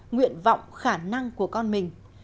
nguyện vọng khả năng của con mình